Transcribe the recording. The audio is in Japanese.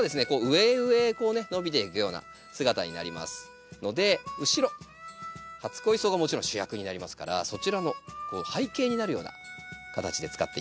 上へ上へこうね伸びていくような姿になりますので後ろ初恋草がもちろん主役になりますからそちらの背景になるような形で使っていきたいと思います。